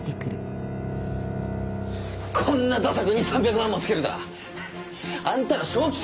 こんな駄作に３００万もつけるとはあんたら正気か！